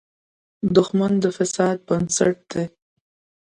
دښمن د فساد بنسټ دی